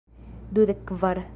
Dudek kvar.